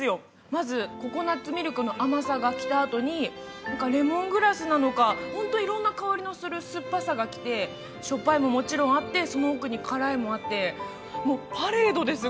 まずココナッツミルクの甘さが来たあとにレモングラスなのかホント色んな香りのする酸っぱさが来てしょっぱいももちろんあってその奥に辛いもあってもうパレードです